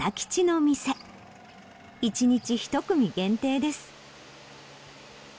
一日１組限定です。